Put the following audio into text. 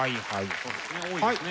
そうですね多いですね。